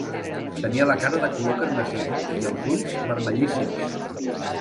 Tenia la cara de color carmesí i els ulls vermellíssims.